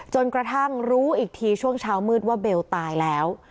กระทั่งรู้อีกทีช่วงเช้ามืดว่าเบลตายแล้ว